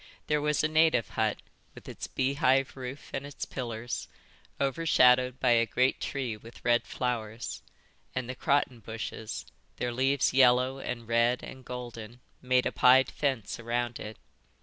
There was a native hut, with its beehive roof and its pillars, overshadowed by a great tree with red flowers; and the croton bushes, their leaves yellow and red and golden, made a pied fence around it.